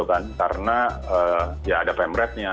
karena ada pemerhatnya